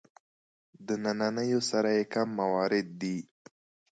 د نننیو سره یې کم موارد دي.